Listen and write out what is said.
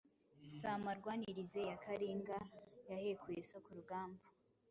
Si amarwanirize ya Kalinga yahekuye so ku rugamba